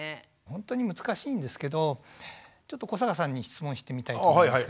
ほんとに難しいんですけどちょっと古坂さんに質問してみたいと思います。